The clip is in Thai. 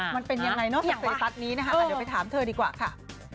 มันเป็นยังไงเนอะสัตว์ปั๊ดนี้นะคะเดี๋ยวไปถามเธอดีกว่าค่ะ